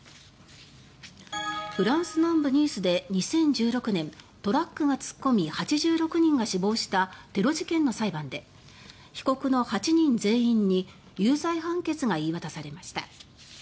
フランス南部・ニースで２０１６年、トラックが突っ込み８６人が死亡したテロ事件の裁判で被告の８人全員に有罪判決が言い渡されました。